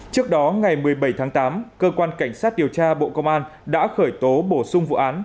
trước đó ngày một mươi bảy tháng tám cơ quan cảnh sát điều tra bộ công an đã khởi tố bổ sung vụ án